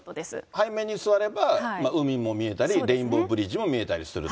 背面に座れば、海も見えたり、レインボーブリッジも見えたりすると。